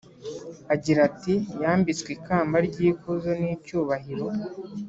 agira ati ‘yambitswe ikamba ry’ikuzo n’icyubahiro